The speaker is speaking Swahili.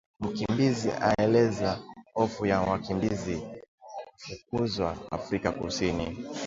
Mkimbizi aeleza hofu ya wakimbizi kufukuzwa Afrika Kusini